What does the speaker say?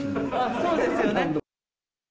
そうですよね。